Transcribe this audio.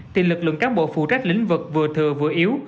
thì lực lượng cán bộ phụ trách lĩnh vực vừa thừa vừa yếu